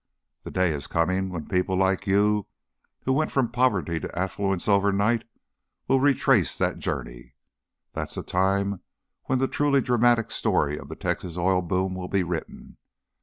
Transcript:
The day is coming when people like you, who went from poverty to affluence overnight, will retrace that journey. That's the time when the truly dramatic story of the Texas oil boom will be written.